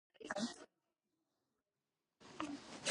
ჟანი აქტიურად ერეოდა ასწლიანი ომის მსვლელობაში.